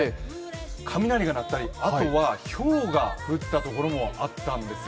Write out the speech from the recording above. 雷が鳴ったり、あとはひょうが降ったところもあったんですよ。